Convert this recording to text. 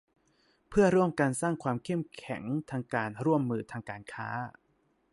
เพื่อร่วมกันสร้างความเข้มแข็งทางการร่วมมือทางการค้า